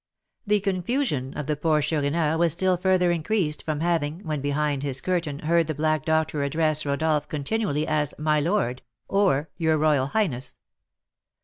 The confusion of the poor Chourineur was still further increased from having, when behind his curtain, heard the black doctor address Rodolph continually as "my lord," or "your royal highness."